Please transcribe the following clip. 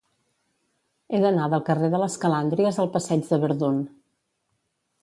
He d'anar del carrer de les Calàndries al passeig de Verdun.